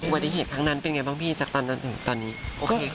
ประมาณเทศภังดาลปิดอย่างไรบ้างพี่จากทั้งนั้นถึงตอนนี้โอเคขึ้นอย่างไร